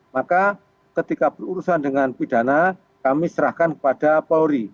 maka ketika berurusan dengan pidana kami serahkan kepada polri